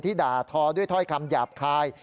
ด่าทอด้วยถ้อยคำหยาบคาย